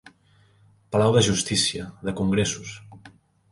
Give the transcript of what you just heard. Palau de justícia, de congressos.